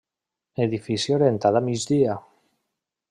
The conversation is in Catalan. Edifici orientat a migdia.